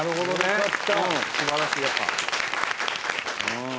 すばらしいやっぱ。